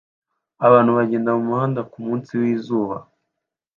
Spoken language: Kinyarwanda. Abantu bagenda mumuhanda kumunsi wizuba